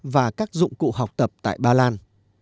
và các dụng cụ học tập tại bà lan